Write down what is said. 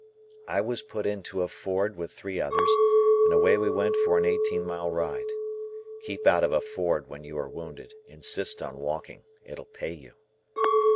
I was put into a Ford with three others and away we went for an eighteen mile ride. Keep out of a Ford when you are wounded; insist on walking, it'll pay you.